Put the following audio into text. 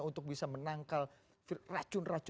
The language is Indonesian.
untuk bisa menangkal racun racun